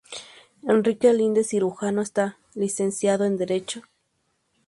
Enrique Linde Cirujano está licenciado en Derecho.